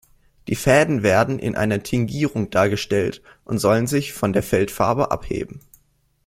Die Fäden werden in einer Tingierung dargestellt und sollen sich von der Feldfarbe abheben.